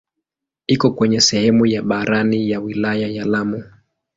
Iko kwenye sehemu ya barani ya wilaya ya Lamu.